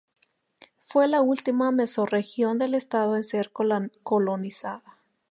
Fue la última mesorregión del estado en ser colonizada.